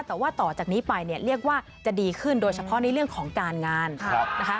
แต่ว่าต่อจากนี้ไปเนี่ยเรียกว่าจะดีขึ้นโดยเฉพาะในเรื่องของการงานนะคะ